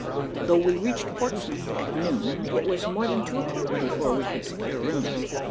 Though we reached Portsmouth at noon, it was more than two o'clock before we could secure rooms.